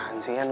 paham si yann